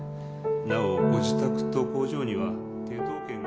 なおご自宅と工場には抵当権が。